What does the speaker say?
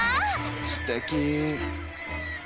すてき！